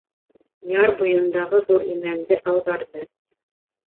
Яр буйындағы ҙур имәнде ауҙарҙы.